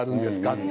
って。